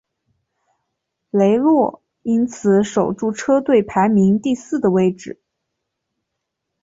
雷诺因此守住车队排名第四的位子。